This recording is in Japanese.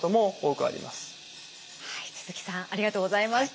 はい鈴木さんありがとうございました。